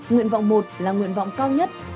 nguyện vọng một là nguyện vọng cao nhất